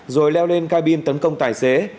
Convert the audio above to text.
rồi leo lên ca bin tấn công tài xế